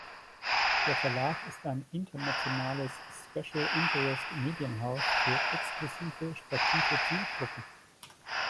Der Verlag ist ein internationales Special-Interest-Medienhaus für exklusive, sportive Zielgruppen.